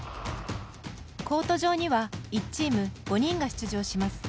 コート上には１チーム、５人が出場します。